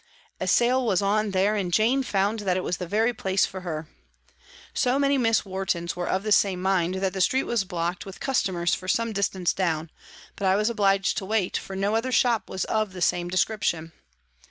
A sale was on there and Jane found that it was the very place for her. So many Miss Wartons were of the same mind that the street was blocked with cus tomers for some distance down ; but I was obliged to wait, for no other shop was of the same descrip tion.